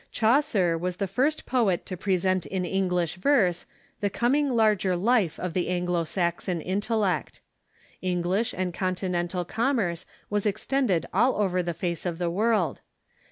Chaucer was the first poet to present in English verse the com ing larger life of the Anglo Saxon intellect. English and Con tinental commerce was extended all over the face of the world.